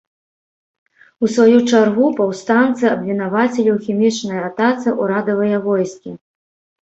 У сваю чаргу, паўстанцы абвінавацілі ў хімічнай атацы ўрадавыя войскі.